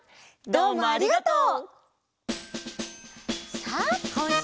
どうもありがとう！